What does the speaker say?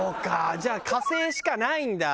じゃあ火星しかないんだ。